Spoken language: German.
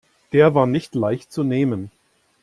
Der war nicht leicht zu nehmen.